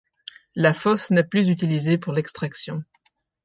La fosse n'est plus utilisée pour l'extraction.